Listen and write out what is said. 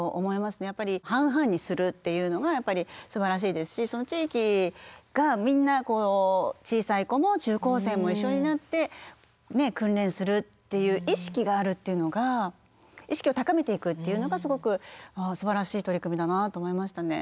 やっぱり半々にするっていうのがすばらしいですしその地域がみんなこう小さい子も中高生も一緒になって訓練するっていう意識があるっていうのが意識を高めていくっていうのがすごくあすばらしい取り組みだなと思いましたね。